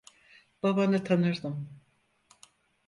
Babanı tanırdım.